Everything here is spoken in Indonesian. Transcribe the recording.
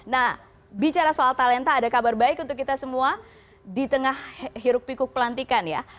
nah bicara soal talenta ada kabar baik untuk kita semua di tengah hiruk pikuk pelantikan ya